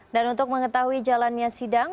dan untuk mengetahui jalannya sidang